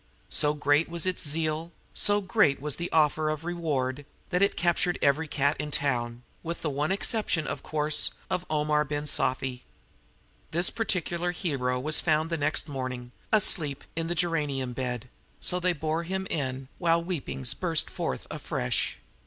So great was its zeal so great was the offer of reward that it captured every cat in town, with the one exception, of course, of Omar Ben Sufi. This particular hero was found next morning, asleep, in the geranium bed; so they bore him in, while weepings burst forth afresh.